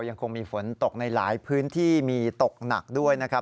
ยังคงมีฝนตกในหลายพื้นที่มีตกหนักด้วยนะครับ